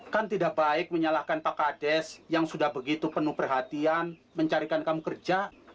kan tidak baik menyalahkan pak kades yang sudah begitu penuh perhatian mencarikan kamu kerja